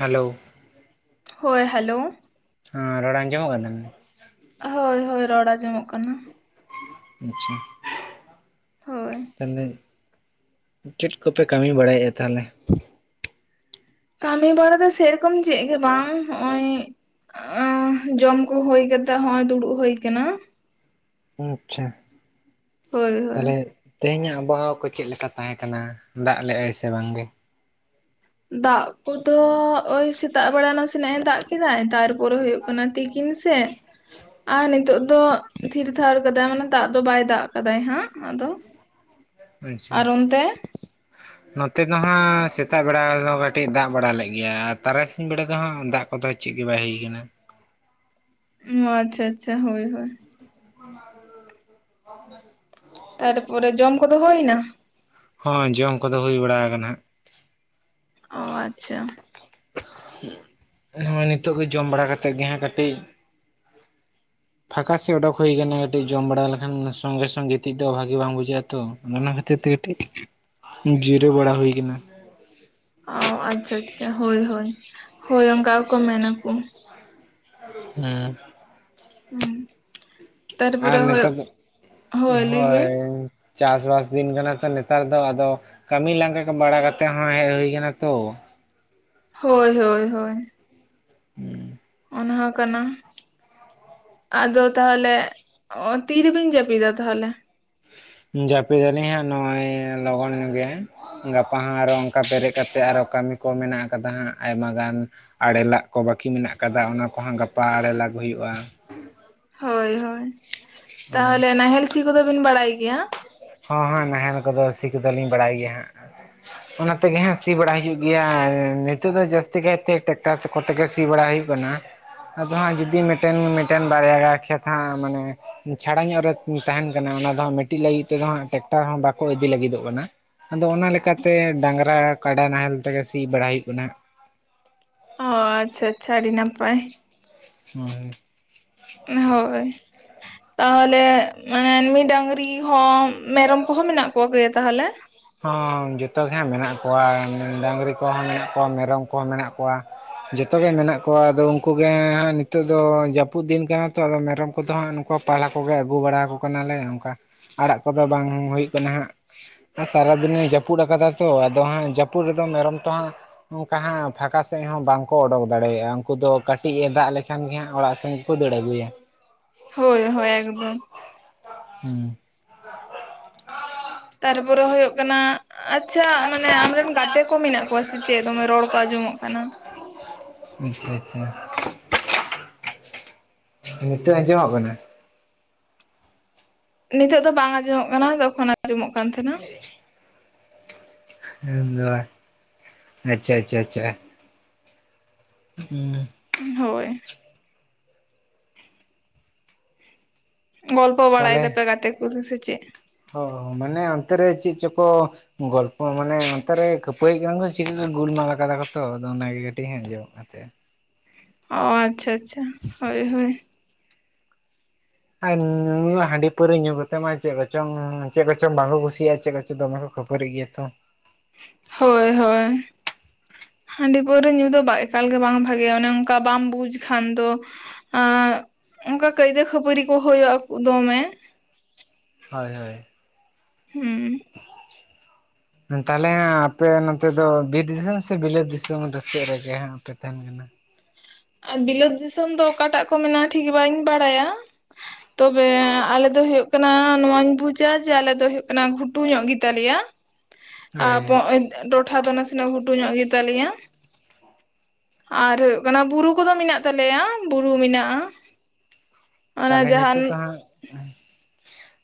Hello ᱦᱳᱭ hello ᱦᱚᱸ ᱨᱚᱲ ᱟᱡᱚᱢᱚᱜ ᱠᱟᱱ ᱛᱟᱦᱮᱱᱟ? ᱦᱳᱭ ᱦᱳᱭ ᱨᱚᱲ ᱟᱸᱡᱚᱢᱚᱜ ᱠᱟᱱᱟ᱾ ᱟᱪᱪᱷᱟ ᱦᱳᱭ [inaudible] ᱛᱟᱦᱞᱮ ᱪᱮᱫ ᱠᱚᱯᱮ ᱠᱟᱹᱢᱤ ᱵᱟᱲᱟᱭᱮᱫᱼᱟ ᱛᱟᱦᱞᱮ? ᱠᱟᱹᱢᱤ ᱵᱟᱲᱟ ᱫᱚ ᱥᱮᱨᱚᱠᱚᱢ ᱪᱮᱫ ᱜᱮ ᱵᱟᱝ ᱾ ᱱᱚᱭ ᱡᱚᱢᱠᱚ ᱦᱩᱭ ᱠᱟᱛᱮᱜ ᱦᱚᱸᱜᱼᱚᱭ ᱫᱩᱲᱩᱵ ᱦᱩᱭ ᱠᱟᱱᱟ᱾ ᱟᱪᱪᱷᱟ ᱦᱳᱭ ᱦᱳᱭ ᱛᱟᱦᱚᱞᱮ ᱛᱮᱦᱮᱧᱟᱜ ᱟᱵᱚᱦᱟᱣᱟ ᱠᱚ ᱪᱮᱫ ᱞᱮᱠᱟ ᱛᱟᱦᱮᱸ ᱠᱟᱱᱟ ᱫᱟᱜ ᱞᱮᱜᱼᱟᱭ ᱥᱮ ᱵᱟᱝ ᱜᱮ? ᱫᱟᱜ ᱠᱚᱫᱚ ᱳᱭ ᱥᱮᱛᱟᱜ ᱵᱮᱲᱟ ᱱᱟᱥᱱᱟᱜ ᱮ ᱫᱟᱜ ᱠᱮᱫᱟᱭ ᱛᱟᱨᱯᱚᱨᱮ ᱦᱩᱭᱩᱜ ᱠᱟᱱᱟ ᱦᱩᱭᱩᱜ ᱠᱟᱱᱟ ᱛᱤᱠᱤᱱ ᱥᱮᱜ ᱟᱨ ᱱᱤᱛᱚᱜ ᱫᱚ ᱛᱷᱤᱨ ᱛᱷᱟᱨ ᱠᱟᱫᱟᱭ ᱢᱟᱱᱮ ᱫᱟᱜ ᱫᱚ ᱵᱟᱭ ᱫᱟᱜ ᱠᱟᱫᱟᱭ ᱦᱟᱸᱜ ᱟᱫᱚ ᱟᱪᱪᱷᱟ ᱟᱨ ᱚᱱᱛᱮ ᱱᱚᱛᱮ ᱫᱚ ᱦᱟᱸᱜ ᱥᱮᱛᱟᱜ ᱵᱮᱲᱟ ᱫᱚ ᱠᱟᱹᱴᱤᱡ ᱫᱟᱜ ᱵᱟᱲᱟ ᱞᱮᱫ ᱜᱮᱭᱟ ᱟᱨ ᱛᱟᱨᱟᱥᱤᱧ ᱵᱮᱲᱟ ᱫᱚ ᱦᱟᱸᱜ ᱫᱟᱜ ᱛᱚ ᱪᱮᱫ ᱜᱮ ᱵᱟᱭ ᱦᱩᱭ ᱠᱟᱱᱟ᱾ ᱚ ᱟᱪᱪᱷᱟ ᱟᱪᱪᱷᱟ ᱦᱳᱭ ᱦᱳᱭ ᱛᱟᱨᱯᱚᱨᱮ ᱡᱚᱢ ᱠᱚᱫᱚ ᱦᱩᱭᱱᱟ? ᱦᱚᱸ ᱡᱚᱢ ᱠᱚᱫᱚ ᱦᱩᱭ ᱵᱟᱲᱟ ᱟᱠᱟᱱᱟ᱾ ᱚ ᱟᱪᱪᱷᱟ ᱱᱚᱜᱼᱚᱭ ᱱᱤᱛᱳᱜ ᱜᱮ ᱡᱚᱢ ᱵᱟᱲᱟ ᱠᱟᱛᱮᱫ ᱜᱮ ᱦᱟᱸᱜ ᱠᱟᱹᱴᱤᱡ [inaudible] ᱯᱷᱟᱸᱠᱟ ᱥᱮᱫ ᱚᱰᱳᱚ ᱦᱩᱭ ᱟᱠᱟᱱᱟ, ᱠᱟᱹᱴᱤᱡ ᱡᱚᱢ ᱵᱟᱲᱟ ᱞᱮᱠᱷᱟᱱ ᱥᱚᱝᱜᱮ ᱥᱚᱝ ᱜᱤᱛᱤᱡ ᱫᱚ ᱵᱷᱟᱜᱤ ᱵᱟᱝ ᱵᱩᱡᱷᱟᱹᱜᱼᱟ ᱛᱚ᱾ ᱚᱱᱟ ᱠᱷᱟᱹᱛᱤᱨ ᱛᱮ ᱠᱟᱹᱴᱤᱡ ᱡᱤᱨᱟᱹᱣ ᱵᱟᱲᱟ ᱦᱩᱭ ᱠᱟᱱᱟ᱾ ᱚ ᱟᱪᱪᱷᱟ ᱟᱪᱪᱷᱟ ᱦᱳᱭ ᱦᱳᱭ ᱦᱳᱭ ᱚᱱᱠᱟ ᱜᱮᱠᱚ ᱢᱮᱱᱟ ᱠᱚ᱾ ᱦᱮᱸ ᱦᱩᱸ ᱛᱟᱨ ᱟᱨ ᱯᱚᱨᱮ ᱦᱩᱭ ᱱᱮᱛᱟᱨ ᱫᱚ ᱦᱳᱭ ᱞᱟᱹᱭ ᱵᱤᱱ ᱪᱟᱥ ᱵᱟᱥ ᱫᱤᱱ ᱠᱟᱱᱟ ᱛᱚ, ᱱᱮᱛᱟᱨ ᱫᱚ ᱟᱫᱚ ᱠᱟᱹᱢᱤ ᱞᱟᱸᱜᱟ ᱵᱟᱲᱟ ᱠᱟᱛᱮ ᱦᱚᱸ ᱦᱮᱡ ᱦᱩᱭ ᱟᱠᱟᱱᱟ ᱛᱚ᱾ ᱦᱳᱭ ᱦᱳᱭ ᱦᱳᱭ ᱚᱱᱟ ᱠᱟᱱᱟ ᱟᱫᱚ ᱛᱟᱦᱚᱞᱮ ᱛᱤᱨᱮᱵᱤᱱ ᱡᱟᱹᱯᱤᱫᱟ ᱛᱟᱦᱚᱞᱮ ᱡᱟᱹᱯᱤ ᱫᱟᱞᱤᱧ ᱦᱟᱸᱜ ᱱᱚᱜᱼᱚᱭ ᱞᱚᱜᱚᱱ ᱧᱚᱜ ᱜᱮ ᱦᱟᱸᱜ ᱜᱟᱯᱟ ᱦᱚᱸᱜ ᱟᱨᱚ ᱚᱱᱠᱟ ᱵᱮᱨᱮᱫ ᱠᱟᱛᱮᱫ ᱟᱨᱚ ᱠᱟᱹᱢᱤ ᱠᱚ ᱢᱮᱱᱟᱜ ᱠᱟᱫᱟ ᱦᱟᱸᱜ ᱟᱭᱢᱟ ᱜᱟᱱ᱾ ᱟᱲᱮ ᱞᱟᱜ ᱠᱚ ᱵᱟᱹᱠᱤ ᱢᱮᱱᱟᱜ ᱟᱠᱟᱫᱟ ᱚᱱᱟ ᱠᱚᱦᱚᱸ ᱜᱟᱯᱟ ᱟᱲᱮ ᱞᱟᱜ ᱦᱩᱭᱩᱜᱼᱟ᱾ ᱦᱳᱭ ᱦᱳᱭ, ᱛᱟᱦᱚᱞᱮ ᱱᱟᱦᱮᱞ ᱥᱤ ᱠᱚᱫᱚ ᱵᱤᱱ ᱵᱟᱲᱟᱭ ᱜᱮᱭᱟ? ᱦᱚᱸ ᱦᱮᱸ ᱱᱟᱦᱮᱞ ᱠᱚᱫᱚ ᱥᱤ ᱠᱚᱫᱚᱞᱤᱧ ᱵᱟᱲᱟᱭ ᱜᱮᱭᱟ ᱦᱟᱸᱜ ᱚᱱᱟ ᱛᱮᱜᱮ ᱦᱟᱸᱜ ᱥᱤ ᱵᱟᱲᱟ ᱦᱩᱭᱩᱜ ᱜᱮᱭᱟ ᱟᱨ ᱱᱤᱛᱳᱜ ᱫᱚ ᱡᱟᱹᱥᱛᱤ ᱠᱟᱭᱛᱮ ᱴᱮᱠᱴᱟᱨ ᱠᱚᱛᱮ ᱜᱮ ᱥᱤ ᱵᱟᱲᱟ ᱦᱩᱭᱩᱜ ᱠᱟᱱᱟ, ᱟᱫᱚ ᱦᱟᱸᱜ ᱡᱩᱫᱤ ᱢᱤᱫᱴᱮᱱ ᱢᱤᱫᱴᱮᱱ ᱵᱟᱨᱭᱟ ᱜᱟᱱ ᱠᱷᱮᱛ ᱦᱟᱸᱜ ᱢᱟᱱᱮ ᱪᱷᱟᱲᱟ ᱧᱚᱜ ᱨᱮ ᱛᱟᱦᱮᱱ ᱠᱟᱱᱟ ᱚᱱᱟ ᱫᱚ ᱢᱤᱫᱴᱤᱡ ᱞᱟᱹᱜᱤᱫ ᱛᱮᱫᱚ ᱦᱟᱸᱜ ᱴᱨᱟᱠᱴᱟᱨ ᱦᱚᱸ ᱵᱟᱠᱚ ᱤᱫᱤ ᱞᱟᱹᱜᱤᱫᱚᱜ ᱠᱟᱱᱟ᱾ ᱟᱫᱚ ᱚᱱᱟ ᱞᱮᱠᱟᱛᱮ ᱰᱟᱹᱝᱜᱽᱨᱟ ᱠᱟᱰᱟ ᱱᱟᱦᱮᱞ ᱛᱮᱜᱮ ᱥᱤ ᱵᱟᱲᱟ ᱦᱩᱭᱩᱜ ᱠᱟᱱᱟ᱾ ᱚ ᱟᱪᱪᱷᱟ ᱟᱪᱪᱷᱟ ᱟᱹᱰᱤ ᱱᱟᱯᱟᱭ ᱦᱳᱭ ᱦᱳᱭ ᱛᱟᱦᱚᱞᱮ ᱢᱟᱱᱮ ᱰᱟᱹᱝᱨᱤ ᱦᱚᱸ ᱢᱮᱨᱚᱢ ᱠᱚᱦᱚᱸ ᱢᱮᱱᱟᱜ ᱠᱚ ᱜᱮᱭᱟ ᱛᱟᱦᱚᱞᱮ? ᱦᱚᱸ ᱡᱚᱛᱚ ᱜᱮ ᱦᱟᱸᱜ ᱢᱮᱱᱟᱜ ᱠᱚᱣᱟ ᱰᱟᱹᱝᱨᱤ ᱠᱚᱦᱚᱸ ᱢᱮᱱᱟᱜ ᱠᱚᱣᱟ ᱢᱮᱨᱚᱢ ᱠᱚᱦᱚᱸ ᱢᱮᱱᱟᱜ ᱠᱚᱣᱟ᱾ ᱡᱚᱛᱚ ᱜᱮ ᱢᱮᱱᱟᱜ ᱠᱚᱣᱟ ᱟᱫᱚ ᱩᱱᱠᱩ ᱜᱮ ᱦᱟᱸᱜ ᱱᱤᱛᱚᱜ ᱫᱚ ᱡᱟᱹᱯᱩᱫ ᱫᱤᱱ ᱠᱟᱱᱟ ᱛᱚ ᱟᱫᱚ ᱢᱮᱨᱚᱢ ᱠᱚᱫᱚ ᱦᱟᱸᱜ ᱠᱚ ᱯᱟᱞᱦᱟ ᱠᱚᱜᱮ ᱟᱹᱜᱩ ᱵᱟᱲᱟ ᱟᱠᱚ ᱠᱟᱱᱟᱞᱮ ᱚᱱᱠᱟ ᱟᱲᱟᱜ ᱠᱚᱫᱚ ᱵᱟᱝ ᱦᱩᱭᱩᱜ ᱠᱟᱱᱟ ᱦᱟᱸᱜ ᱾ ᱥᱟᱨᱟᱫᱤᱱᱮ ᱡᱟᱹᱯᱩᱫ ᱟᱠᱟᱫᱟ ᱛᱚ, ᱟᱫᱚ ᱦᱟᱸᱜ ᱡᱟᱹᱯᱩᱫ ᱨᱮᱫᱚ ᱢᱮᱨᱚᱢ ᱛᱚ ᱦᱟᱸᱜ᱾ ᱚᱱᱠᱟ ᱦᱟᱸᱜ ᱯᱷᱟᱸᱠᱟ ᱥᱮᱫ ᱦᱚᱸ ᱵᱟᱝᱠᱚ ᱚᱰᱳᱠ ᱫᱟᱲᱮᱭᱟᱜᱼᱟ᱾ ᱩᱱᱠᱩ ᱫᱚ ᱠᱟᱹᱴᱤᱡ ᱮ ᱫᱟᱜ ᱞᱮᱠᱷᱟᱱ ᱜᱮ ᱦᱟᱸᱜ ᱚᱲᱟᱜ ᱥᱮᱱ ᱠᱚ ᱫᱟᱹᱲ ᱟᱹᱜᱩᱭᱟ ᱾ ᱦᱳᱭᱻ ᱦᱳᱭᱻ ᱮᱠᱫᱚᱢ᱾ ᱦᱩᱸᱻ᱾ ᱛᱟᱨᱯᱚᱨᱮ ᱦᱳᱭᱳᱜ ᱠᱟᱱᱟ ᱟᱪᱪᱷᱟ ᱢᱟᱱᱮ ᱟᱢᱨᱮᱱ ᱜᱟᱛᱮ ᱠᱚ ᱢᱮᱱᱟᱜ ᱠᱚᱣᱟ ᱥᱮ ᱪᱮᱫ? ᱫᱚᱢᱮ ᱨᱚᱲ ᱠᱚ ᱟᱸᱡᱚᱢᱚᱜ ᱠᱟᱱᱟ ᱾ ᱟᱪᱪᱷᱟᱻ ᱟᱪᱪᱷᱟ ᱾ ᱱᱤᱛᱚᱜ ᱟᱸᱡᱚᱢᱚᱜ ᱠᱟᱱᱟ? ᱱᱤᱛᱚᱜ ᱫᱚ ᱵᱟᱝ ᱟᱸᱡᱚᱢᱚᱜ ᱠᱟᱱᱟ ᱛᱚᱠᱷᱚᱱ ᱟᱸᱡᱚᱢᱚᱜ ᱠᱟᱱ ᱛᱟᱦᱮᱸᱱᱟ ᱾ ᱫᱚ ᱟᱪᱪᱷᱟᱻ ᱟᱪᱪᱷᱟᱻ ᱟᱪᱪᱷᱟ᱾ ᱦᱮᱸᱻ᱾ ᱦᱳᱭ ᱜᱚᱞᱯᱚ ᱵᱟᱲᱟᱭ ᱛᱟᱦᱚᱞᱮ ᱫᱟᱯᱮ ᱜᱟᱛᱮ ᱠᱚ ᱥᱮ ᱪᱮᱫ? ᱚ ᱢᱟᱱᱮ ᱚᱱᱛᱮ ᱨᱮ ᱪᱮᱫ ᱪᱚ ᱠᱚ ᱜᱚᱞᱯᱚ ᱢᱟᱱᱮ ᱚᱱᱛᱮ ᱨᱮ ᱠᱷᱟᱹᱯᱟᱹᱨᱤᱜ ᱠᱟᱱᱟ ᱠᱚ ᱥᱮ ᱪᱤᱠᱟᱹ, ᱜᱩᱞᱢᱞᱟ ᱠᱟᱫᱟ ᱠᱚᱛᱚ ᱟᱫᱚ ᱚᱱᱟᱜᱮ ᱠᱟᱹᱴᱤᱡ ᱟᱸᱡᱚᱢ ᱩ ᱟᱛᱮ [unintelligible] ᱚ ᱟᱪᱪᱷᱟᱻ ᱟᱪᱪᱷᱟᱻ ᱦᱳᱭᱻ ᱦᱳᱭᱻ᱾ ᱟᱨ ᱧᱩ ᱦᱟᱺᱰᱤ ᱯᱟᱹᱣᱨᱟᱹ ᱧᱩ ᱠᱟᱛᱮ ᱢᱟ ᱪᱮᱫ ᱠᱚᱪᱚᱝ ᱪᱮᱫ ᱠᱚᱪᱚᱝ ᱵᱟᱝᱠᱚ ᱠᱩᱥᱤᱭᱟᱜᱼᱟ᱾ ᱪᱮᱫ ᱠᱚᱪᱚᱝ ᱫᱚᱢᱮ ᱠᱚ ᱠᱷᱟᱹᱯᱟᱹᱨᱤᱜ ᱜᱮᱭᱟ ᱛᱚ ᱾ ᱦᱳᱭ ᱦᱳᱭ ᱾ ᱦᱟᱸᱰᱤ ᱯᱟᱹᱣᱨᱟᱹ ᱧᱩ ᱫᱚ ᱵᱟᱭ ᱮᱠᱟᱞ ᱜᱮ ᱵᱟᱝ ᱵᱷᱟᱜᱮᱭᱟ ᱾ ᱚᱱᱮ ᱚᱱᱠᱟ ᱵᱟᱢ ᱵᱩᱡᱽ ᱠᱷᱟᱱ ᱫᱚ ᱟᱨ ᱚᱱᱠᱟ ᱠᱟᱹᱭᱫᱟᱹ ᱠᱷᱟᱹᱯᱟᱹᱨᱤ ᱠᱚ ᱦᱩᱭᱩᱜᱼᱟ ᱫᱚᱢᱮ ᱾ ᱦᱳᱭ ᱦᱳᱭ ᱾ ᱦᱩᱸ ᱛᱟᱦᱚᱞᱮ ᱦᱟᱸᱜ ᱟᱯᱮ ᱱᱚᱛᱮ ᱫᱚ ᱵᱤᱨ ᱫᱤᱥᱚᱢ ᱥᱮ ᱵᱤᱞᱟᱹᱛ ᱫᱤᱥᱚᱢ ᱫᱚ ᱥᱮᱫ ᱨᱮᱜᱮ ᱦᱟᱸᱜ ᱯᱮ ᱛᱟᱦᱮᱸᱱ ᱠᱟᱱᱟ? ᱟᱨ ᱵᱤᱞᱟᱹᱛ ᱫᱤᱥᱚᱢ ᱫᱚ ᱚᱠᱟᱴᱟᱜ ᱠᱚ ᱢᱮᱱᱟ ᱴᱷᱤᱠ ᱵᱟᱹᱧ ᱵᱟᱲᱟᱭᱟ ᱾ ᱛᱚᱵᱮ ᱟᱞᱮ ᱫᱚ ᱦᱩᱭᱩᱜ ᱠᱟᱱᱟ ᱱᱚᱣᱟᱧ ᱵᱩᱡᱟ ᱡᱮ ᱟᱞᱮ ᱫᱚ ᱦᱩᱭᱩᱜ ᱠᱟᱱᱟ ᱜᱷᱩ ᱴᱩ ᱧᱚᱜ ᱜᱮ ᱛᱟᱞᱮᱭᱟ ᱟᱨ ᱦᱳᱭ ᱴᱚᱴᱷᱟ ᱫᱚ ᱱᱟᱥᱮ ᱱᱟᱜ ᱜᱷᱩᱴᱩ ᱧᱚᱜ ᱜᱮ ᱛᱟᱞᱮᱭᱟ ᱾ ᱟᱨ ᱦᱩᱭᱩᱜ ᱠᱟᱱᱟ ᱵᱩᱨᱩ ᱠᱚᱫᱚ ᱢᱮᱱᱟᱜ ᱛᱟᱞᱮᱭᱟ ᱵᱩᱨᱩ ᱢᱮᱱᱟᱜᱼᱟ ᱾ ᱛᱟᱦᱞᱮ ᱱᱤᱛᱚᱜ ᱫᱚ ᱦᱟᱸᱜᱼᱼ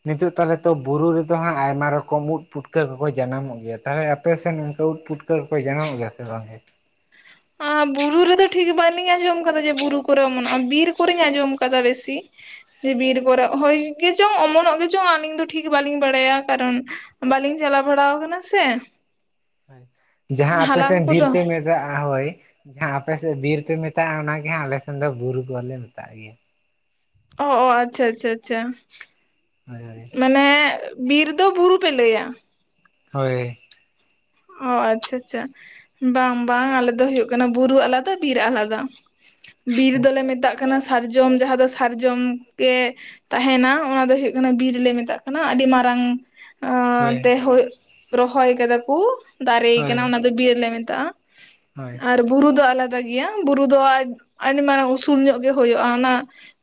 ᱱᱤᱛᱳᱜ ᱛᱟᱦᱟᱞᱮ ᱛᱚ ᱵᱩᱨᱩ ᱨᱮᱫᱚ ᱦᱟᱸᱜ ᱟᱭᱢᱟ ᱨᱚᱠᱚᱢ ᱩᱫ ᱯᱩᱴᱠᱟᱹ ᱠᱚᱠᱚ ᱡᱟᱱᱟᱢᱚᱜ ᱜᱮᱭᱟ ᱾ ᱛᱟᱦᱚᱞᱮ ᱟᱯᱮᱥᱮᱱ ᱚᱱᱠᱟ ᱩᱫ ᱯᱩᱴᱠᱟᱹ ᱠᱚᱠᱚ ᱡᱟᱱᱟᱢᱚᱜ ᱜᱮᱭᱟ ᱥᱮ ᱵᱟᱝᱜᱮ? [inaudible] ᱵᱩᱨᱩ ᱨᱮᱫᱚ ᱴᱷᱤᱠ ᱵᱟᱞᱤᱧ ᱟᱸᱡᱚᱢ ᱠᱟᱫᱟ ᱡᱮ ᱵᱩᱨᱩ ᱠᱚᱨᱮ ᱚᱢᱚᱱᱚᱜᱼᱟ ᱵᱤᱨ ᱠᱚᱨᱮᱧ ᱟᱸᱡᱚᱢ ᱠᱟᱫᱟ ᱵᱮᱥᱤ ᱾ ᱡᱮ ᱵᱤᱨ ᱠᱚᱨᱮᱜ, ᱦᱳᱭ ᱜᱮᱪᱚᱝ ᱚᱢᱚᱱᱚᱜ ᱜᱮᱪᱚᱝ ᱟᱹᱞᱤᱧ ᱫᱚ ᱴᱷᱤᱠ ᱵᱟᱹᱞᱤᱧ ᱵᱟᱲᱟᱭᱟ ᱠᱟᱨᱚᱱᱼᱼ ᱵᱟᱹᱞᱤᱧ ᱪᱟᱞᱟᱣ ᱵᱟᱲᱟ ᱟᱠᱟᱱᱟ ᱥᱮ ᱾ ᱡᱟᱦᱟᱸ ᱟᱯᱮ ᱥᱮᱫ ᱵᱤᱨ ᱠᱚᱫᱚ ᱯᱮᱼᱼ ᱦᱳᱭ ᱡᱟᱦᱟᱸ ᱟᱯᱮ ᱥᱮᱫ ᱵᱤᱨ ᱯᱮ ᱢᱮᱛᱟᱜᱼᱟ ᱚᱱᱟᱜᱮ ᱦᱟᱸᱜ ᱟᱞᱮ ᱥᱮᱱ ᱫᱚ ᱵᱩᱨᱩ ᱠᱚ ᱦᱚᱹ ᱞᱮ ᱢᱮᱛᱟᱜ ᱜᱮᱭᱟ ᱾ ᱚ ᱚ ᱟᱪᱪᱷᱟ ᱟᱪᱪᱷᱟ ᱟᱪᱪᱷᱟ᱾ ᱦᱳᱭ ᱢᱟᱱᱮᱼᱼ ᱵᱤᱨ ᱫᱚ ᱵᱩᱨᱩ ᱯᱮ ᱞᱮᱭᱟ ᱾ ᱦᱳᱭ ᱾ ᱚ ᱟᱪᱪᱷᱟ ᱟᱪᱪᱷᱟ ᱾ ᱵᱟᱝ ᱵᱟᱝ ᱟᱞᱮ ᱫᱚ ᱦᱩᱭᱩᱜ ᱠᱟᱱᱟ ᱵᱩᱨᱩ ᱟᱞᱟᱫᱟ ᱵᱤᱨ ᱟᱞᱟᱫᱟ ᱾ ᱵᱤᱨ ᱫᱚ ᱞᱮ ᱢᱮᱛᱟᱜ ᱠᱟᱱᱟ ᱥᱟᱨᱡᱚᱢ ᱡᱟᱦᱟᱸ ᱫᱚ ᱥᱟᱨᱡᱚᱢ ᱜᱮ ᱾ ᱛᱟᱦᱮ ᱱᱟ ᱚᱱᱟ ᱫᱚ ᱦᱩᱭᱩᱜ ᱠᱟᱱᱟ ᱵᱤᱨ ᱞᱮ ᱢᱮᱛᱟᱜ ᱠᱟᱱᱟ ᱟᱹᱰᱤ ᱢᱟᱨᱟᱝᱼᱼ ᱦᱳᱭ ᱚᱱᱛᱮ ᱨᱚᱦᱚᱭ ᱠᱟᱫᱟ ᱠᱩ ᱫᱟᱨᱮ ᱦᱳᱭ ᱠᱟᱱᱟ ᱚᱱᱟ ᱫᱚ ᱵᱤᱨ ᱞᱮ ᱢᱮᱛᱟᱜᱼᱟ᱾ ᱦᱳᱭ ᱟᱨ ᱵᱩᱨᱩ ᱫᱚ ᱟᱞᱟᱫᱟ ᱜᱮᱭᱟ ᱵᱩᱨᱩ ᱫᱚ ᱟᱹᱰᱤ ᱢᱟᱨᱟᱝ ᱩᱥᱩᱞ ᱧᱚᱜ ᱜᱮ ᱦᱳᱭᱳᱜᱼᱟ ᱚᱱᱟ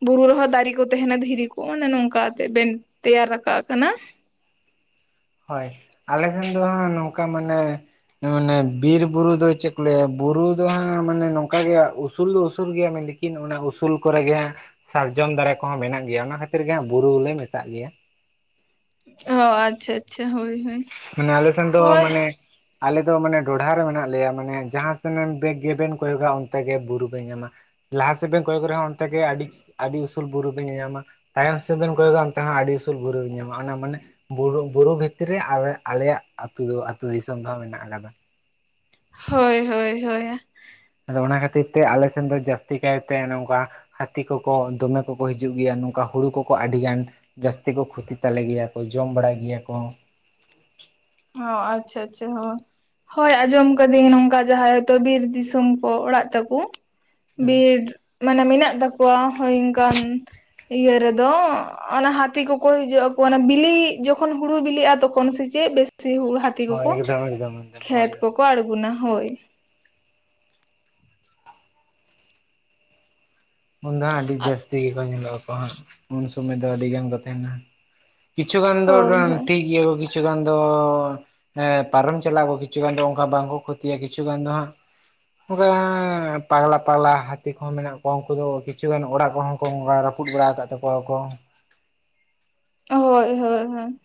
ᱵᱩᱨᱩ ᱨᱮᱦᱚᱸ ᱫᱟᱨᱮ ᱠᱚ ᱛᱟᱦᱮᱸᱱᱟ ᱫᱷᱤᱨᱤ ᱠᱚ ᱚᱱᱮ ᱱᱚᱝᱠᱟᱛᱮ ᱵᱮᱱ ᱛᱮᱭᱟᱨ ᱨᱟᱠᱟᱜ ᱠᱟᱱᱟ᱾ ᱦᱳᱭ ᱟᱞᱮ ᱴᱷᱮᱱ ᱫᱚ ᱦᱟᱜ ᱱᱚᱝᱠᱟ ᱢᱟᱱᱮ ᱢᱟᱱᱮ ᱵᱤᱨ ᱵᱩᱨᱩ ᱫᱚ ᱪᱮᱫ ᱠᱚ ᱞᱟᱹᱭᱟ ᱵᱩᱨᱩ ᱫᱚ ᱦᱟᱸᱜ ᱢᱟᱱᱮ ᱱᱚᱝᱠᱟ ᱜᱮ ᱩᱥᱩᱞ ᱫᱚ ᱩᱥᱩᱞ ᱜᱮᱭᱟ ᱩᱱᱠᱤᱱ ᱚᱱᱟ ᱩᱥᱩᱞ ᱠᱚᱨᱮ ᱜᱮ ᱥᱟᱨᱡᱚᱢ ᱫᱟᱨᱮ ᱠᱚᱦᱚᱸ ᱢᱮᱱᱟᱜ ᱜᱮᱭᱟ᱾ ᱚᱱᱟ ᱠᱷᱟᱹᱛᱤᱨ ᱜᱮ ᱦᱟᱸᱜ ᱵᱩᱨᱩ ᱞᱮ ᱢᱮᱛᱟᱜ ᱜᱮᱭᱟ᱾ ᱚ ᱟᱪᱪᱷᱟᱻ ᱟᱪᱪᱷᱟᱻ ᱦᱳᱭᱻ ᱦᱳᱭᱻ᱾ ᱢᱟᱱᱮ ᱟᱞᱮ ᱥᱮᱱ ᱫᱚ ᱢᱟᱱᱮ ᱟᱞᱮ ᱫᱚ ᱢᱟᱱᱮ ᱰᱚᱰᱷᱟ ᱨᱮ ᱢᱮᱱᱟᱜ ᱞᱮᱭᱟ᱾ ᱢᱟᱱᱮ ᱡᱟᱦᱟᱸ ᱥᱮᱱ ᱵᱮᱜᱽ ᱜᱮᱵᱮᱱ ᱠᱚᱭᱚᱜᱟ ᱚᱱᱛᱮ ᱜᱮ ᱵᱩᱨᱩ ᱵᱮᱱ ᱧᱟᱢᱟ᱾ ᱞᱟᱦᱟ ᱥᱮᱫ ᱵᱮᱱ ᱠᱚᱭᱚᱠ ᱨᱮᱦᱚᱸ ᱚᱱᱛᱮ ᱜᱮ ᱟᱹᱰᱤ, ᱟᱹᱰᱤ ᱩᱥᱩᱞ ᱵᱩᱨᱩ ᱵᱤᱱ ᱧᱮᱧᱟᱢᱟ᱾ ᱛᱟᱭᱚᱢ ᱥᱮᱫᱤᱱ ᱠᱚᱭᱚᱜᱼᱟ ᱚᱱᱛᱮᱦᱚᱸ ᱟᱹᱰᱤ ᱩᱥᱩᱞ ᱵᱩᱨᱩ ᱧᱟᱢᱟ ᱚᱱᱟ ᱢᱟᱱᱮ ᱵᱩᱨᱩ ᱵᱷᱤᱛᱨᱤ ᱨᱮ ᱟᱞᱮ ᱟᱞᱮᱭᱟᱜ ᱟᱹᱛᱩ ᱫᱚ ᱟᱹᱛᱩ ᱫᱤᱥᱚᱢ ᱫᱚ ᱦᱟᱸᱜ ᱢᱮᱱᱟᱜᱼᱟ ᱠᱟᱫᱟ᱾ ᱦᱳᱭ ᱦᱳᱭ ᱦᱳᱭ ᱾ ᱟᱫᱚ ᱚᱱᱟ ᱠᱷᱟᱹᱛᱤᱨ ᱛᱮ ᱟᱞᱮ ᱥᱮᱱ ᱫᱚ ᱡᱟᱹᱥᱛᱤ ᱠᱟᱭᱛᱮ ᱱᱚᱝᱠᱟᱼᱼ ᱦᱟᱹᱛᱤ ᱠᱚᱠᱚ ᱫᱚᱢᱮ ᱠᱚᱠᱚ ᱦᱤᱡᱩᱜ ᱜᱮᱭᱟ ᱱᱚᱝᱠᱟ ᱦᱩᱲᱩ ᱠᱚᱠᱚ ᱟᱹᱰᱤ ᱜᱟᱱᱼᱼ ᱡᱟᱹᱥᱛᱤ ᱠᱚ ᱠᱷᱩᱛᱤ ᱛᱟᱞᱮ ᱜᱮᱭᱟ ᱠᱚ ᱾ ᱡᱚᱢ ᱵᱟᱲᱟᱭ ᱜᱮᱭᱟ ᱠᱚ ᱾ ᱚ ᱟᱪᱪᱷᱟ ᱟᱪᱪᱷᱟ ᱦᱚ ᱾ ᱦᱳᱭ ᱟᱸᱡᱚᱢ ᱠᱟᱹᱫᱤᱧ ᱱᱚᱝᱠᱟ ᱡᱟᱦᱟᱸᱭ ᱦᱚᱭᱛᱚ ᱵᱤᱨ ᱫᱤᱥᱚᱢ ᱠᱚ ᱚᱲᱟᱜ ᱛᱟᱠᱚ᱾ ᱵᱤᱨ ᱢᱟᱱᱮ ᱢᱮᱱᱟᱜ ᱛᱟᱠᱚᱣᱟ ᱦᱳᱭ ᱚᱝᱠᱟᱱ ᱤᱭᱟᱹ ᱨᱮᱫᱚ ᱚᱱᱟ ᱦᱟᱹᱛᱤ ᱠᱚᱠᱚ ᱦᱤᱡᱩᱜ ᱟᱠᱚ ᱚᱱᱟ ᱵᱤᱞᱤᱜ ᱡᱚᱠᱷᱚᱱ ᱦᱩᱲᱩ ᱵᱤᱞᱤᱜᱼᱟ ᱛᱚᱠᱷᱚᱱ ᱥᱮ ᱪᱮᱫ ᱵᱮᱥ? ᱥᱮ ᱦᱟᱹᱛᱤ ᱦᱳᱭ ᱠᱚᱠᱚ ᱮᱠᱫᱚᱢ ᱮᱠᱫᱚᱢ ᱮᱠᱫᱚᱢ ᱦᱳᱭ ᱠᱷᱮᱛ ᱦᱳᱭ ᱠᱚᱠᱚ ᱟᱲᱜᱳᱱᱟ ᱦᱳᱭ᱾ ᱩᱱ ᱫᱚ ᱦᱟᱸᱜ ᱟᱹᱰᱤ ᱡᱟᱹᱥᱛᱤ ᱜᱮᱠᱚ ᱧᱮᱞᱚᱜ ᱟᱠᱚ ᱦᱟᱸᱜ ᱩᱱ ᱥᱩᱢᱟᱹᱭ ᱫᱚ ᱟᱹᱰᱤ ᱜᱟᱱ ᱠᱚ ᱛᱟᱦᱮᱸᱱᱟ᱾ ᱠᱤᱪᱷᱩᱜᱟᱱ ᱫᱚ ᱦᱳᱭ ᱦᱳᱭ ᱴᱷᱤᱠ ᱜᱮᱭᱟ ᱠᱚ ᱠᱤᱪᱷᱩ ᱜᱟᱱ ᱫᱚ ᱯᱟᱨᱚᱢ ᱪᱟᱞᱟᱜ ᱟᱠᱚ, ᱠᱤᱪᱷᱩ ᱜᱟᱱ ᱫᱚ ᱚᱱᱠᱟ ᱵᱟᱝᱠᱚ ᱠᱷᱚᱛᱤᱭᱟ᱾ ᱠᱤᱪᱷᱩ ᱜᱟᱱ ᱫᱚ ᱦᱟᱸᱜ ᱚᱱᱠᱟ ᱯᱟᱜᱽᱞᱟ ᱯᱟᱜᱽᱞᱟ ᱦᱟᱹᱛᱤ ᱠᱚᱦᱚᱸ ᱢᱮᱱᱟᱜ ᱠᱚᱣᱟ᱾ ᱩᱱᱠᱩ ᱫᱚ ᱠᱤᱪᱷᱩᱜᱟᱱ ᱚᱲᱟᱜ ᱠᱚᱦᱚᱸ ᱠᱚ ᱨᱟᱹᱯᱩᱫ ᱵᱟᱲᱟ ᱠᱟᱫ ᱛᱟᱠᱚ ᱣᱟᱠᱚ᱾ ᱦᱳᱭᱻ ᱦᱳᱭᱻ ᱦᱳᱭᱻ᱾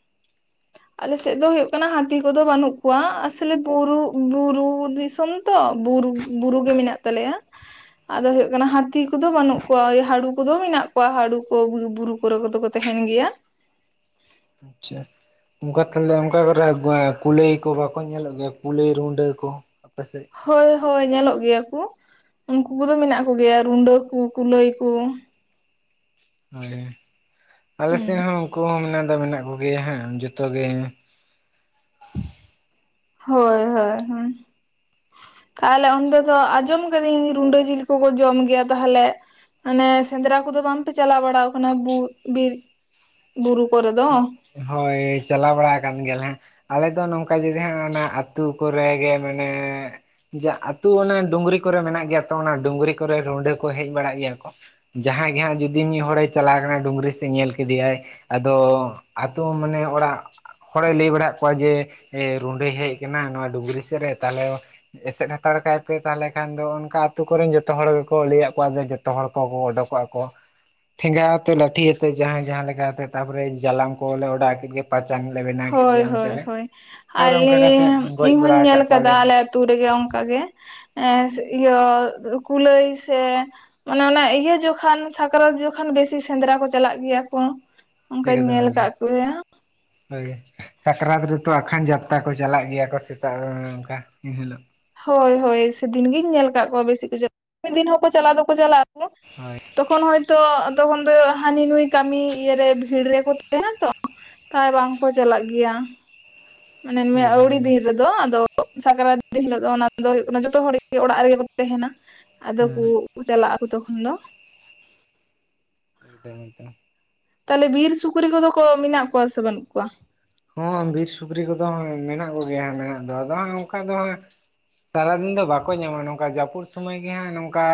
[inaudible] ᱟᱞᱮᱥᱮᱫ ᱫᱚ ᱦᱳᱭᱳᱜ ᱠᱟᱱᱟ ᱦᱟᱹᱛᱤ ᱠᱚᱫᱚ ᱵᱟᱹᱱᱩᱜ ᱠᱚᱣᱟ, ᱟᱥᱚᱞᱮ ᱵᱩᱨᱩ, ᱵᱩᱨᱩ ᱫᱤᱥᱚᱢ᱾ ᱛᱚ ᱵᱩᱨᱩ, ᱵᱩᱨᱩ ᱜᱮ ᱢᱮᱱᱟᱜ ᱛᱟᱞᱮᱭᱟ ᱟᱫᱚ ᱦᱳᱭᱳᱜ ᱠᱟᱱᱟ ᱦᱟᱺᱛᱤ᱾ [unintelligible] ᱠᱚᱫᱚ ᱵᱟᱹᱱᱩᱜ ᱠᱚᱣᱟ ᱦᱟᱹᱲᱩ ᱠᱚᱫᱚ ᱢᱮᱱᱟᱜ ᱠᱚᱣᱟ ᱦᱟᱹᱲᱩ ᱠᱚ ᱵᱩᱨᱩ ᱠᱚᱨᱮ ᱠᱚᱫᱚ ᱠᱚ ᱛᱟᱦᱮᱱ ᱜᱮᱭᱟ᱾ ᱟᱪᱪᱷᱟ᱾ ᱚᱱᱠᱟ ᱛᱟᱦᱚᱞᱮ ᱚᱱᱠᱟ ᱠᱚᱨᱮ ᱠᱩᱞᱟᱹᱭ ᱠᱚ ᱵᱟᱠᱚ ᱧᱮᱞᱚᱜ ᱜᱮᱭᱟ ᱠᱩᱞᱟᱹᱭ ᱨᱩᱰᱟᱹ ᱠᱚ? ᱟᱯᱮ‌ ᱥᱮᱜ? ᱦᱳᱭ ᱦᱳᱭ ᱧᱮᱞᱚᱜ ᱜᱮᱭᱟ ᱠᱚ, ᱩᱱᱠᱩ ᱠᱚᱫᱚ ᱢᱮᱱᱟᱜ ᱠᱚᱜᱮᱭᱟ ᱨᱩᱰᱟᱹ ᱠᱚ ᱠᱩᱞᱟᱹᱭ ᱠᱚ᱾ ᱦᱳᱭ ᱟᱞᱮ ᱥᱮᱫ ᱦᱩᱸ ᱦᱚᱸ ᱩᱱᱠᱩ ᱦᱚᱸ ᱢᱮᱱᱟᱜ ᱫᱚ ᱢᱮᱱᱟᱜ ᱠᱚᱜᱮᱭᱟ, ᱦᱟᱸᱜ ᱡᱚᱛᱚ ᱜᱮ᱾ ᱦᱳᱭᱻ ᱦᱳᱭᱻ ᱦᱮᱻ᱾ ᱛᱟᱦᱚᱞᱮ ᱚᱱᱛᱮ ᱫᱚ ᱟᱸᱡᱚᱢ ᱠᱟᱹᱫᱟᱹᱧ ᱨᱩᱰᱟᱹ ᱡᱤᱞ ᱠᱚᱠᱚ ᱡᱚᱢ ᱜᱮᱭᱟ ᱛᱟᱦᱚᱞᱮ ᱢᱟᱱᱮ ᱥᱮᱸᱫᱽᱨᱟ ᱠᱚᱫᱚ ᱵᱟᱝᱯᱮ ᱪᱟᱞᱟᱣ ᱵᱟᱲᱟ ᱠᱟᱱᱟ [unintelligible] ᱵᱤᱨ, ᱵᱩᱨᱩ ᱠᱚᱨᱮ ᱫᱚ? ᱦᱳᱭ ᱪᱟᱞᱟᱣ ᱵᱟᱲᱟ ᱠᱟᱱ ᱜᱮᱭᱟ ᱞᱮᱭᱟᱞᱮ ᱦᱟᱜ᱾ ᱟᱞᱮ ᱫᱚ ᱱᱚᱝᱠᱟ ᱡᱩᱫᱤ ᱦᱟᱸᱜ ᱚᱱᱟ ᱟᱹᱛᱩ ᱠᱚᱨᱮᱜᱮ ᱢᱟᱱᱮᱻ᱾ ᱡᱟ ᱟᱛᱳ ᱚᱱᱟ ᱰᱩᱝᱨᱤ ᱠᱚᱨᱮ ᱢᱮᱱᱟᱜ ᱜᱮᱭᱟ ᱛᱚ ᱚᱱᱟ ᱰᱩᱝᱨᱤ ᱠᱚᱨᱮ ᱨᱩᱸᱰᱟᱹ ᱠᱚ ᱦᱮᱡ ᱵᱟᱲᱟᱜ ᱜᱮᱭᱟ ᱠᱚ᱾ ᱡᱟᱦᱟᱸᱭ ᱜᱮ ᱦᱟᱸᱜ ᱡᱩᱫᱤ ᱢᱤᱫ ᱦᱚᱲᱮ ᱪᱟᱞᱟᱣ ᱠᱟᱱᱟ ᱰᱩᱝᱨᱤ ᱥᱮᱫ ᱧᱮᱞ ᱠᱮᱫᱮᱭᱟᱭ ᱟᱫᱚ᱾ ᱟᱛᱳ ᱢᱟᱱᱮ ᱚᱲᱟᱜ ᱦᱚᱲᱮ ᱞᱟᱹᱭ ᱵᱟᱲᱟ ᱟᱜ ᱠᱚᱣᱟ ᱡᱮ ᱨᱩᱸᱰᱟᱹᱭ ᱦᱮᱡ ᱠᱟᱱᱟ ᱱᱚᱣᱟ ᱰᱩᱝᱨᱤ ᱥᱮᱫ ᱨᱮ ᱛᱟᱦᱞᱮ᱾ ᱮᱥᱮᱫ ᱦᱟᱛᱟᱲ ᱠᱟᱭᱯᱮ ᱛᱟᱦᱚᱞᱮ ᱠᱷᱟᱱ ᱫᱚ ᱚᱱᱠᱟ ᱟᱛᱳ ᱠᱚᱨᱮᱱ ᱡᱚᱛᱚ ᱦᱚᱲ ᱜᱮᱠᱚ ᱞᱟᱹᱭᱟᱜ ᱠᱚᱣᱟ [unintelligible] [unintelligible] ᱦᱚᱲ ᱠᱚ ᱚᱰᱚᱠᱚᱜᱼᱟ ᱠᱚ ᱴᱷᱮᱸᱜᱟ ᱟᱛᱮ ᱞᱟᱴᱷᱤ ᱟᱛᱮ ᱡᱟᱦᱟᱸᱭ ᱡᱟᱦᱟᱸ ᱞᱮᱠᱟ ᱟᱛᱮ ᱛᱟᱯᱚᱨᱮ ᱡᱟᱞᱟᱢ ᱠᱚ ᱞᱮ ᱚᱰᱟᱣ ᱠᱮᱫ ᱜᱮ᱾ ᱯᱟᱪᱟᱝ ᱞᱮ ᱵᱮᱱᱟ ᱦᱳᱭ ᱦᱳᱭ ᱦᱳᱭ ᱟᱞᱮ ᱠᱟᱛᱮᱫ ᱜᱚᱡ ᱤᱧ ᱦᱚᱧ ᱵᱟᱲᱟ ᱧᱮᱞ ᱟᱠᱟᱫ ᱠᱟᱫᱟ ᱠᱚᱣᱟᱞᱮ ᱟᱞᱮ ᱛᱩ ᱨᱮᱜᱮ ᱚᱱᱠᱟ ᱜᱮ ᱮᱸ ᱤᱭᱟᱹ ᱠᱩᱞᱟᱹᱭ ᱥᱮ ᱟᱱᱮ ᱚᱱᱟ ᱤᱭᱟ ᱡᱚᱠᱷᱚᱱ ᱥᱟᱠᱨᱟᱛ ᱡᱚᱠᱷᱚᱱ ᱵᱮᱥᱤ ᱥᱮᱸᱫᱽᱨᱟ ᱠᱚ ᱪᱟᱞᱟᱜ ᱜᱮᱭᱟ ᱠᱚ᱾ ᱚᱱᱠᱟᱧ ᱮᱠᱫᱚᱢ ᱧᱮᱞ ᱮᱠᱫᱚᱢ ᱟᱠᱟᱫ ᱠᱚᱣᱟ [unintelligible] ᱵᱷᱜᱤ ᱥᱟᱠᱨᱟᱛ ᱨᱮᱛᱚ ᱟᱠᱷᱟᱱ ᱡᱟᱛᱛᱟ ᱠᱚ ᱪᱟᱞᱟᱜ ᱜᱮᱭᱟ ᱠᱚ ᱥᱮᱛᱟᱜ ᱨᱮ ᱚᱱᱠᱟ ᱮᱱᱦᱤᱞᱳᱜ᱾ ᱦᱳᱭ ᱦᱳᱭ ᱥᱮᱫᱤᱱ ᱜᱤᱧ ᱧᱮᱞ ᱠᱟ ᱠᱚᱣᱟ ᱵᱮᱥᱤ ᱠᱚ ᱪᱟᱞᱟ [unintelligible] ᱢᱤᱫ ᱫᱤᱱ ᱦᱚ ᱠᱚ ᱪᱟᱞᱟᱣ ᱫᱚᱠᱚ ᱪᱟᱞᱟ-ᱟ ᱦᱚᱭ ᱛᱚᱠᱷᱚᱱ ᱦᱚᱭᱛᱚ ᱛᱚᱠᱷᱚᱱ ᱫᱚ ᱦᱟᱹᱱᱤ ᱱᱩᱭ ᱠᱟᱹᱢᱤ ᱤᱭᱟᱹᱨᱮ ᱵᱷᱤᱲ ᱨᱮ.. ᱠᱚ ᱛᱟᱦᱮᱱᱟ ᱛᱚ᱾ ᱛᱟᱭ ᱵᱟᱝ ᱠᱚ ᱪᱟᱞᱟᱜ ᱜᱮᱭᱟ ᱢᱟᱱᱮ ᱮᱠᱫᱚᱢ ᱟᱹᱣᱲᱤ ᱦᱮᱸ ᱫᱤᱱ ᱨᱮᱫᱚ᱾ ᱟᱫᱚ ᱟᱫᱚ ᱥᱟᱠᱨᱟᱛ ᱫᱤᱱ ᱦᱤᱞᱳᱜ ᱫᱚ ᱚᱱᱟ ᱫᱚ ᱦᱩᱭᱩᱜ ᱠᱟᱱᱟ ᱡᱚᱛᱚ ᱦᱚᱲᱜᱮ ᱚᱲᱟᱜ ᱨᱮᱜᱮ ᱠᱚ ᱛᱟᱦᱮᱱᱟ᱾ ᱟᱫᱚ ᱠᱩ ᱪᱟᱞᱟ ᱟᱠᱚ ᱛᱚᱠᱷᱚᱱ ᱫᱚ᱾ [unintelligible] ᱛᱟᱦᱞᱮ ᱵᱤᱨ ᱥᱩᱠᱨᱤ ᱠᱚᱫᱚ ᱠᱚ ᱢᱮᱱᱟᱜ ᱠᱚᱣᱟ ᱥᱮ ᱵᱟᱱᱩᱜ ᱠᱚᱣᱟᱹ? ᱦᱚᱸ ᱵᱤᱨ ᱥᱩᱠᱨᱤ ᱠᱚᱫᱚ ᱢᱮᱱᱟᱜ ᱠᱚᱜᱮᱭᱟ ᱦᱟᱸᱜ ᱢᱮᱱᱟᱜ ᱫᱚ ᱟᱫᱚ ᱦᱟᱸᱜ ᱚᱱᱠᱟ ᱫᱚ ᱦᱟᱸᱜ᱾ ᱥᱟᱨᱟᱫᱤᱱ ᱫᱚ ᱵᱟᱠᱚ ᱧᱟᱢᱟ ᱱᱟ ᱱᱚᱝᱠᱟ ᱡᱟᱹᱯᱩᱫ ᱥᱩᱢᱟᱹᱭ ᱜᱮ ᱦᱟᱸᱜ ᱱᱚᱝᱠᱟ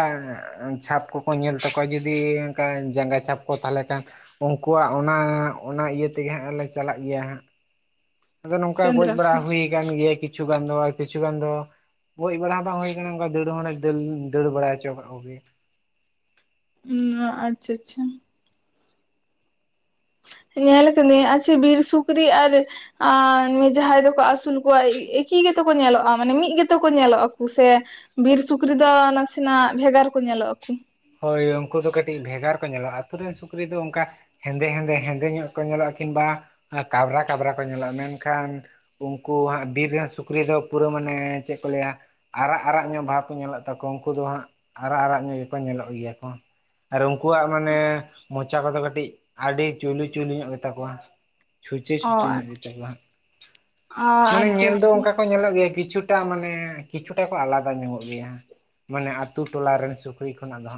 ᱪᱷᱟᱯ ᱠᱚ ᱠᱚ ᱧᱮᱞ ᱛᱟᱠᱚᱣᱟ ᱡᱩᱫᱤ ᱚᱱᱠᱟ ᱡᱟᱸᱜᱟ ᱪᱷᱟᱯ ᱠᱚ ᱛᱟᱦᱚᱞᱮ ᱠᱷᱟᱱ᱾ ᱩᱱᱠᱩᱣᱟᱜ ᱚᱱᱟ ᱚᱱᱟ ᱤᱭᱟᱹ ᱛᱮᱜᱮ ᱦᱟᱜ ᱞᱮ ᱪᱟᱞᱟᱜ ᱜᱮᱭᱟ ᱦᱟ᱾ ᱟᱫᱚ ᱱᱚᱝᱠᱟ ᱜᱚᱡ ᱥᱮᱸᱫᱽᱨᱟ ᱵᱟᱲᱟ ᱠᱚ ᱦᱩᱭᱩ ᱠᱟᱱ ᱜᱮᱭᱟ ᱠᱤᱪᱷ ᱜᱟᱱ ᱫᱚ-ᱟ ᱠᱤᱪᱷᱩ ᱜᱟᱱ ᱫᱚ᱾ ᱜᱚᱡ ᱵᱟᱲᱟ ᱫᱚ ᱦᱩᱭ ᱟᱠᱟᱱᱟ ᱚᱱᱠᱟ ᱫᱟᱹᱲ ᱦᱚᱞᱮ ᱫᱟ. ᱲ ᱫᱟᱹᱲ ᱵᱟᱲᱟ ᱦᱚᱪᱚ ᱠᱟ ᱠᱚᱜᱮ ᱭᱟ᱾ ᱩᱢ. ᱟᱪᱪᱷᱟ ᱪᱷᱟ ᱧᱮᱞ ᱠᱟᱱᱤᱧ ᱟᱪᱷᱮ ᱵᱤᱨ ᱥᱩᱠᱨᱤ ᱟᱨ ᱟᱨ ᱡᱟᱦᱟᱭ ᱫᱚᱠᱚ ᱟᱥᱩᱞ ᱠᱚᱣᱟ ᱮᱠᱤ ᱜᱮᱛ ᱠᱚ ᱧᱮᱞᱚᱜ-ᱟ ᱢᱟᱱᱮ ᱢᱤᱫ ᱜᱮᱛ ᱠᱚ ᱧᱮᱞᱚ ᱟᱠᱩ ᱥᱮ᱾ ᱵᱤᱨ ᱥᱩᱠᱨᱤ ᱫᱚ ᱱᱟᱥᱮᱱᱟᱜ ᱵᱷᱮᱜᱟᱨ ᱠᱚ ᱧᱮᱞᱚᱜ ᱟᱠᱩ᱾ ᱦᱚᱭ ᱩᱱᱠᱩ ᱫᱚ ᱠᱟᱹᱴᱤᱡ ᱵᱷᱮᱜᱟᱨ ᱠᱚ ᱧᱮᱞᱚᱜ-ᱟ ᱟᱛᱩ ᱨᱮᱱ ᱥᱩᱠᱨᱤ ᱫᱚ ᱚᱱᱠᱟ ᱦᱮᱸᱫᱮ ᱦᱮᱸᱫᱮ ᱦᱮᱸᱫᱮ ᱧᱚᱜ ᱠᱚ ᱧᱮᱞᱚᱜ-ᱟ ᱠᱤᱢᱵᱟ ᱠᱟᱵᱽᱨᱟ ᱠᱟᱵᱽᱨᱟ ᱠᱚ ᱧᱮᱞᱚᱜᱼᱟ ᱢᱮᱱᱠᱷᱟ. ᱱ᱾ ᱩᱱᱠᱩ ᱦᱟᱸᱜ ᱵᱤᱨ ᱨᱮᱱ ᱥᱩᱠᱨᱤ ᱫᱚ ᱯᱩᱨᱟᱹ ᱢᱟᱱᱮ ᱪᱮᱫ ᱠᱚ ᱞᱟᱹᱭᱟ᱾ ᱟᱨᱟᱜ ᱟᱨᱟᱜ ᱧᱚᱜ ᱵᱟᱦᱵᱽ ᱠᱚ ᱧᱮᱞᱚᱜ ᱛᱟᱠᱚᱣᱟ ᱩᱱᱠᱩ ᱫᱚ ᱦᱟᱸ ᱟᱨᱟᱜ ᱟᱨᱟᱜ ᱧᱚᱜ᱾ ᱧᱮᱞᱚᱜ ᱜᱮᱭᱟ ᱠᱚ ᱟᱨ ᱩᱱᱠᱩᱣᱟᱜ ᱢᱟᱱᱮ᱾ ᱢᱚᱪᱟ ᱠᱚᱫᱚ ᱠᱟᱴᱤᱡ ᱟᱰᱤ ᱪᱩᱭᱞᱩ ᱪᱩᱭᱞᱩ ᱧᱚᱜ ᱜᱮᱛᱟ ᱠᱚᱣᱟ᱾ ᱪᱷᱩᱪᱟ. ᱚ ᱚ ᱪᱷᱩᱪᱟ. ᱧᱚᱜ ᱜᱮᱛᱟ ᱠᱚᱣᱟ ᱦᱟᱸᱜ ᱟᱪᱪᱷᱟ ᱢᱟᱱᱮ ᱧᱮᱞ ᱫᱚ ᱟᱪᱪᱷᱟ ᱚᱱᱠᱟ ᱠᱚ ᱧᱮᱞᱚᱜ ᱜᱮᱭᱟ ᱠᱤᱪᱷᱩ ᱮᱴᱟ ᱢᱟᱱᱮ ᱠᱤᱪᱷᱩᱴᱟ ᱠᱚ ᱟᱞᱟᱫᱟ ᱧᱚᱜᱚᱜ ᱜᱮᱭᱟ ᱢᱟᱱᱮ ᱟᱛᱩ ᱴᱚᱞᱟᱨᱮᱱ ᱥᱩᱠᱨᱤ ᱠᱷᱚᱱᱟᱜ ᱫᱚ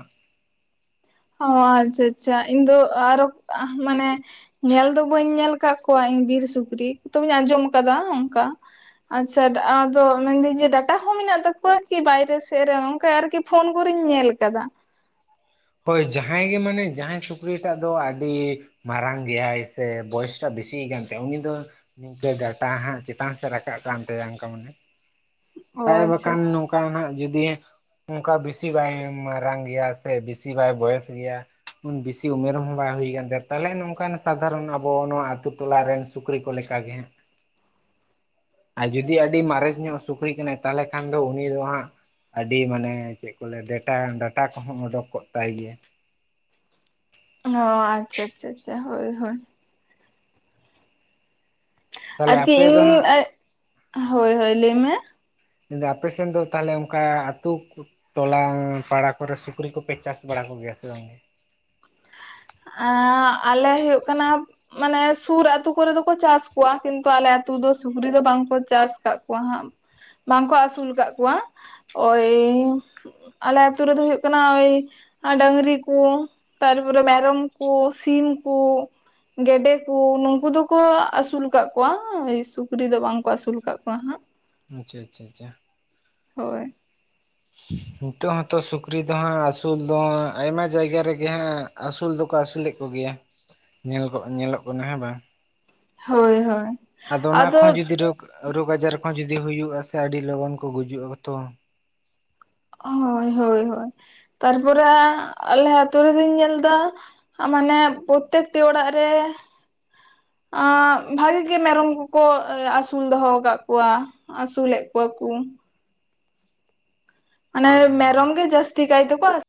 ᱚ ᱟᱪᱪᱷᱟ ᱟᱪᱪᱷᱟ ᱤᱧ ᱫᱚ ᱟᱨ ᱟᱦ ᱢᱟᱱᱮ ᱧᱮᱞ ᱫᱚ ᱵᱟᱹᱧ ᱧᱮᱞ ᱠᱟᱫ ᱠᱚᱣᱟ ᱤᱧ ᱵᱤᱨ ᱥᱩᱠᱨᱤ ᱛᱚᱵᱮᱧ ᱟᱸᱡᱚᱢ ᱠᱟᱫᱟ ᱚᱱᱠᱟ᱾ ᱟᱪᱪᱷᱟ ᱟᱫᱚ ᱢᱮᱱᱫᱟᱹᱧ ᱡᱮ ᱰᱟᱴᱟ ᱦᱚᱸ ᱢᱮᱱᱟᱜ ᱛᱟᱠᱚᱣᱟ ᱠᱤ ᱵᱟᱭᱨᱮ ᱥᱮᱫ ᱨᱮ ᱚᱱᱠᱟ ᱟᱨᱠᱤ᱾ ᱯᱷᱚᱱ ᱠᱚᱨᱮᱧ ᱧᱮᱞ ᱠᱟᱫᱟ᱾ ᱦᱳᱭ ᱡᱟᱦᱟᱭ ᱜᱮ ᱢᱟᱱᱮ ᱡᱟᱦᱟᱭ ᱥᱩᱠᱨᱤ ᱴᱟᱜ ᱫᱚ ᱟᱹᱰᱤ ᱢᱟᱨᱟᱝ ᱜᱮᱭᱟᱭ ᱥᱮ ᱵᱚᱭᱮᱥᱴᱟ ᱵᱮᱥᱤᱭ ᱠᱟᱱ ᱛᱟᱭᱟ ᱩᱱᱤ ᱫᱚ᱾ ᱤᱱᱠᱟᱹ ᱰᱟᱴᱟ ᱦᱟᱸᱜ ᱪᱮᱛᱟᱱ ᱥᱮᱫ ᱨᱟᱠᱟᱵ ᱠᱟᱱ ᱛᱟᱭᱟ ᱚᱱᱠᱟ ᱢᱟᱱᱮ ᱚ ᱟᱨ ᱟᱪᱪᱷᱟ ᱵᱟᱠᱷᱟᱱ ᱱᱚᱠ ᱚᱱᱠᱟ ᱱᱟᱦᱟᱜ ᱡᱩᱫᱤ ᱚᱱᱠᱟ ᱵᱮᱥᱤ ᱵᱟᱭ ᱢᱟᱨᱟᱝ ᱜᱮᱭᱟ ᱥᱮ ᱵᱮᱥᱤ ᱵᱟᱭ ᱵᱚᱭᱮᱥ ᱜᱮᱭᱟ᱾ ᱩᱱ ᱵᱮᱥᱤ ᱩᱢᱮᱨ ᱦᱚ ᱵᱟᱝ ᱦᱩᱭ ᱠᱟᱱ ᱛᱟᱭᱟ ᱛᱟᱦᱚᱞᱮ ᱱᱚᱝᱠᱟᱱ ᱥᱟᱫᱷᱟᱨᱚᱱ ᱟᱵᱚ ᱱᱚᱣᱟ ᱟᱹᱛᱩ ᱴᱚᱞᱟ ᱨᱮᱱ ᱥᱩᱠᱨᱤ ᱠᱚ ᱞᱮᱠᱟ ᱜᱮ ᱦᱟᱸᱜ ᱟᱨ ᱡᱩᱫᱤ ᱟᱹᱰᱤ ᱢᱟᱨᱮ ᱧᱚᱜ ᱥᱩᱠᱨᱤ ᱠᱟᱱᱟᱭ ᱛᱟᱦᱚᱞᱮ ᱠᱷᱟᱱ ᱫᱚ ᱩᱱᱤ ᱫᱚ ᱦᱟᱸᱜ ᱟᱹᱰᱤ ᱢᱟᱱᱮ ᱪᱮᱫ ᱠᱚ ᱞᱟᱹᱭᱟ ᱰᱮᱴᱟ ᱰᱟᱴᱟ ᱠᱚᱦᱚ ᱚᱰᱚᱠ ᱠᱚᱜ ᱛᱟᱭ ᱜᱮᱭᱟ ᱮᱱ ᱦᱚ ᱟᱪᱪᱷᱟ ᱟᱪᱪᱷᱟ ᱟᱪᱪᱷᱟ ᱦᱳᱭ ᱦᱳᱭ ᱛᱟᱦᱚᱞᱮ ᱟᱨᱠᱤ ᱟᱯᱮ ᱤᱧ ᱫᱚ ᱦᱟᱸᱜ ᱦᱳᱭ ᱦᱳᱭ ᱞᱟᱹᱭᱢᱮ ᱢᱮᱱ ᱫᱤᱧ ᱟᱯᱮᱥᱮᱱ ᱫᱚ ᱛᱟᱦᱞᱮ ᱚᱱᱠᱟ ᱟᱹᱛᱩ ᱴᱚᱞᱟ ᱯᱟᱲᱟ ᱠᱚᱨᱮ ᱥᱩᱠᱨᱤ ᱠᱚᱯᱮ ᱪᱟᱥ ᱵᱟᱲᱟ ᱠᱚᱜᱮᱭᱟ ᱥᱮ ᱵᱟᱝ ᱟ... ᱟᱞᱮ ᱦᱩᱭᱩᱜ ᱠᱟᱱᱟ ᱢᱟᱱᱮ ᱥᱩᱨ ᱟᱹᱛᱩ ᱠᱚᱨᱮ ᱫᱚᱠᱚ ᱪᱟᱥ ᱠᱚᱣᱟ ᱠᱤᱱᱛᱩ ᱟᱞᱮ ᱟᱹᱛᱩ ᱫᱚ ᱥᱩᱠᱨᱤ ᱫᱚ ᱵᱟᱝᱠᱚ ᱪᱟᱥ ᱠᱟᱜ ᱠᱚᱣᱟ ᱦᱟᱸᱜ ᱵᱟᱝᱠᱚ ᱟᱥᱩᱞ ᱠᱟᱫ ᱠᱚᱣᱟ ᱳᱭ.... ᱟᱞᱮ ᱟᱛᱩ ᱨᱮᱫᱚ ᱦᱩᱭᱩᱜ ᱠᱟᱱᱟ ᱳᱭ ᱰᱟᱝᱨᱤ ᱠᱚ ᱛᱟᱨᱯᱚᱨᱮ ᱢᱮᱨᱚᱢ ᱠᱩ ᱥᱤᱢ ᱠᱩ ᱜᱮᱰᱮ ᱠᱚ ᱱᱩᱝᱠᱩ ᱫᱚᱠᱚ ᱟᱥᱩᱞ ᱠᱟᱜ ᱠᱚᱣᱟ ᱳᱭ ᱥᱩᱠᱨᱤ ᱫᱚ ᱵᱟᱝ ᱠᱚ ᱟᱥᱩᱞ ᱠᱟ ᱠᱚᱣᱟ ᱦᱟᱸᱜ ᱟᱪᱪᱷᱟ ᱟᱪᱪᱷᱟ ᱟᱪᱪᱷᱟ ᱦᱚᱭ ᱱᱤᱛᱚᱜ ᱦᱚᱸᱛᱚ ᱥᱩᱠᱨᱤ ᱫᱚ ᱦᱟᱸᱜ ᱟᱹᱥᱩᱞ ᱫᱚᱟᱸᱜ ᱟᱭᱢᱟ ᱡᱟᱭᱜᱟ ᱨᱮᱜᱮ ᱦᱟᱸᱜ ᱟᱹᱥᱩᱞ ᱫᱚᱠᱚ ᱟᱹᱥᱩᱞᱮᱫ ᱠᱚᱜᱮᱭᱟ ᱧᱮᱞ ᱠᱚ ᱧᱮᱞᱚᱜ ᱠᱟᱱᱟ ᱦᱮᱸ ᱵᱟᱝ ᱦᱳᱭ ᱦᱳᱭ ᱟᱫᱚ ᱚᱱᱟ ᱠᱚᱦᱚᱸ ᱡᱚᱫᱤ ᱨᱳᱜ ᱨᱳᱜᱽ ᱟᱡᱟᱨ ᱠᱚᱦᱚᱸ ᱡᱩᱫᱤ ᱦᱩᱭᱩᱜᱼᱟ ᱥᱮ ᱟᱹᱰᱤ ᱞᱚᱜᱚᱱ ᱠᱚ ᱜᱩᱡᱩᱜᱼᱟ ᱛᱚ ᱦᱳᱭ ᱦᱳᱭ ᱦᱳᱭ ᱛᱟᱨᱯᱚᱨᱮ ᱟᱞᱮ ᱟᱛᱳ ᱨᱮᱞᱤᱧ ᱧᱮᱞ ᱮᱫᱟ ᱢᱟᱱᱮ ᱯᱨᱚᱛᱮᱠᱴᱤ ᱚᱲᱟᱜ ᱨᱮ ᱟᱸ ᱵᱷᱟᱜᱤ ᱜᱮ ᱢᱮᱨᱚᱢ ᱠᱚᱠᱚ ᱟᱹᱥᱩᱞ ᱫᱚᱦᱚ ᱟᱠᱟᱫ ᱠᱚᱣᱟ ᱟᱹᱥᱩᱞᱮᱫ ᱠᱚᱣᱟ ᱠᱚ ᱚᱱᱮ ᱮᱠᱫᱚᱢ ᱮᱠᱫᱚᱢ ᱢᱮᱨᱚᱢ ᱜᱮ ᱡᱟᱥᱛᱤ ᱠᱟᱭ ᱛᱮ ᱠᱚ ᱟᱥᱩᱞᱮᱫ